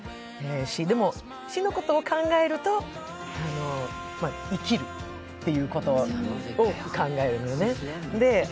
でも死ぬことを考えると、生きるっていうことを考えるのよね。